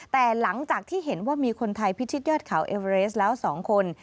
แต่หลังจากที่เห็นว่ามีคนไทยพิชิตยอดเขาเอเวสแล้ว๒คน